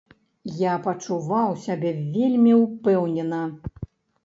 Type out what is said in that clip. Я пачуваў сябе вельмі ўпэўнена.